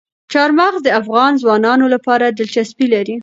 چار مغز د افغان ځوانانو لپاره دلچسپي لري.